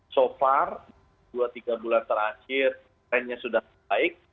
so far dua tiga bulan terakhir trendnya sudah baik